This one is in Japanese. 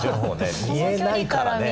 見えないからね。